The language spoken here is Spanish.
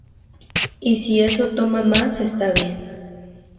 Y sí eso toma más, está bien.